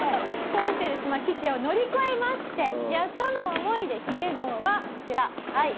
こうしてですねまあ危機を乗り越えましてやっとの思いで髭号はこちらはい。